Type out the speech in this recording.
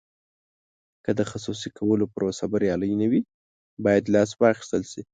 که د خصوصي کولو پروسه بریالۍ نه وي باید لاس واخیستل شي.